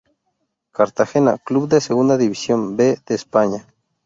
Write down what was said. Cartagena, club de Segunda División B de España.